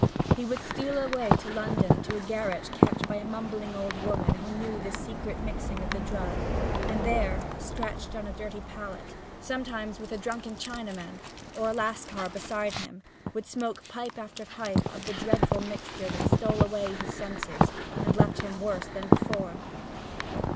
He would steal away to London to a garret kept by a mumbling old woman who knew the secret of mixing the drug, and there, stretched on a dirty pallet, sometimes with a drunken Chinaman or a Lascar beside him, would smoke pipe after pipe of the dreadful mixture that stole away his senses and left him worse than before.